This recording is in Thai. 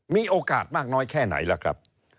มีโอกาสมากน้อยแค่ไหนล่ะครับ